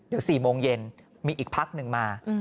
เดี๋ยว๔โมงเย็นมีอีกพักหนึ่งมา